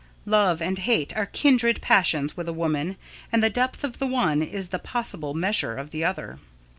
Love and hate are kindred passions with a woman and the depth of the one is the possible measure of the other.